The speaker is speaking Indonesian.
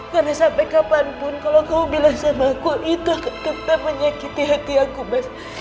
karena sampai kapanpun kalau kamu bilang sama aku itu akan tetap menyakiti hati aku bas